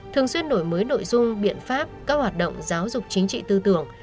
thường xuyên đổi mới nội dung biện pháp các hoạt động giáo dục chính trị tư tưởng